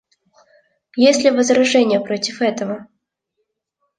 Есть ли возражения против этого?